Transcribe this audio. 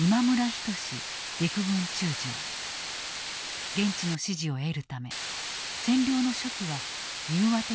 現地の支持を得るため占領の初期は融和的に統治を進めた。